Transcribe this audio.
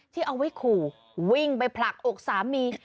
ที่เอาไว้ขู่วิ่งไปผลักอกสามี